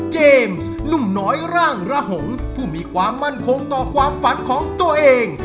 หนุ่มน้อยร่างระหงผู้มีความมั่นคงต่อความฝันของตัวเอง